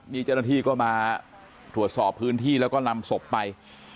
นี่เจ้าหน้าที่ก็มาตรวจสอบพื้นที่แล้วก็นำศพไป